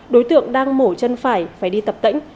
đối tượng đang mổ chân phải phải đi tập tĩnh